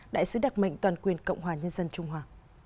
đại sứ đặc mệnh toàn quyền cộng hòa nhân dân trung hoa